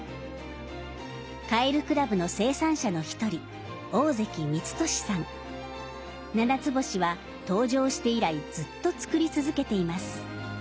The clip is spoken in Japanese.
カエル倶楽部の生産者の１人ななつぼしは登場して以来ずっと作り続けています。